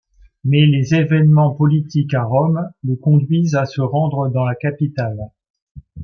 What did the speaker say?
Mais les événements politiques à Rome le conduisent à se rendre dans la capitale.